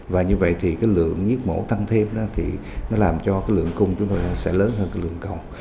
và như vậy thì lượng giết mổ tăng thêm làm cho lượng cung chúng tôi sẽ lớn hơn lượng cầu